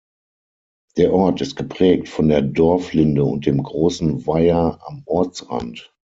Der Ort ist geprägt von der Dorflinde und dem großen Weiher am Ortsrand.